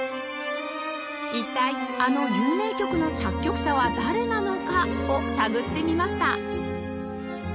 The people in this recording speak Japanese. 一体あの有名曲の作曲者は誰なのかを探ってみました